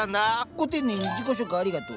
ご丁寧に自己紹介ありがとう。